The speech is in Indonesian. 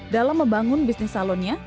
dalam membangun bisnis salon ini